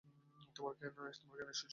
তোমরা কেন এসেছো?